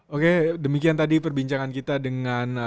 oke demikian tadi perbincangan kita dengan